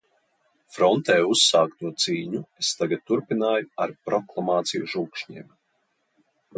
Frontē uzsākto cīņu es tagad turpināju ar proklamāciju žūkšņiem.